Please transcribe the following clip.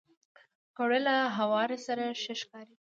پکورې له هوار سره ښه ښکاري